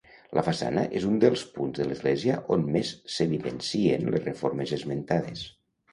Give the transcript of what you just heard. La façana és un dels punts de l'església on més s'evidencien les reformes esmentades.